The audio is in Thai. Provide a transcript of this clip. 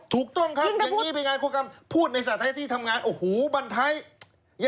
ถูกต้มครับอย่างนี้เป็นการคุกคามพูดในสถานที่ทำงานโอ้โหบรรไทย